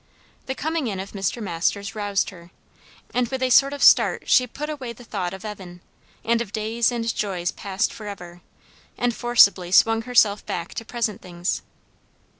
The coming in of Mr. Masters roused her, and with a sort of start she put away the thought of Evan, and of days and joys past for ever, and forcibly swung herself back to present things.